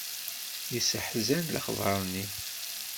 Yesseḥzan lexbeṛ-nni